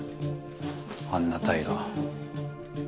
あんな態度。